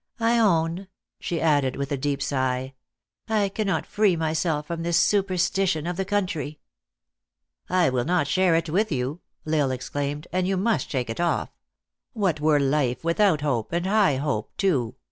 I own," she added, with a deep sigh, " I cannot free myself from this superstition of the country." THE ACTRESS IN HIGH LIFE. 369 " I will not share it with you !" L Isle exclaimed. " And you must shake it off. What .were life without hope, and .high hope too